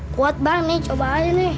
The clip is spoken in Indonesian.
kuat banget nih coba aja nih